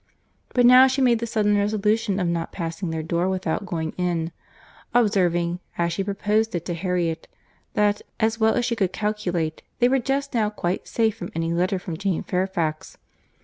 But now she made the sudden resolution of not passing their door without going in—observing, as she proposed it to Harriet, that, as well as she could calculate, they were just now quite safe from any letter from Jane Fairfax.